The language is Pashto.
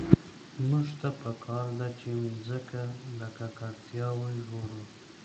موږ ته په کار ده چي مځکه له ککړتیا وژغورو.